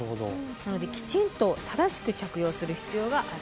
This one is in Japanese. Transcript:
なのできちんと正しく着用する必要があるんですね。